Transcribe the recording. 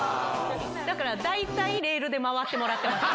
だから、大体レールで回ってもらってました。